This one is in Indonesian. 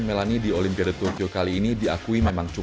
tapi pada prinsipnya